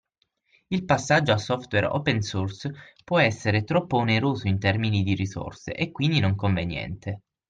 Il passaggio a software open source può essere troppo oneroso in termini di risorse, e quindi non conveniente.